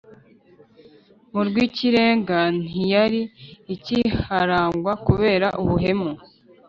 mu rw’Ikirenga ntiyari ikiharangwa kubera ubuhemu